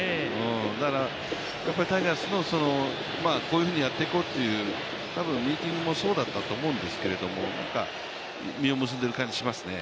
だから、タイガースのこういうふうにやっていこうというミーティングも層だったと思うんですけど実を結んでいる感じがしますね。